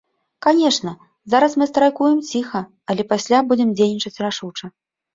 Канешне, зараз мы страйкуем ціха, але пасля будзем дзейнічаць рашуча.